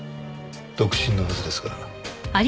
独身のはずですが。